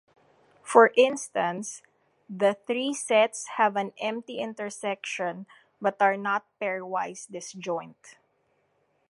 For instance, the three sets have an empty intersection but are not pairwise disjoint.